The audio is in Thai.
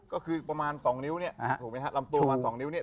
ก็คือประมาณสองนิ้วเนี่ยถูกมั้ยครับลำตัวประมาณสองนิ้วเนี่ย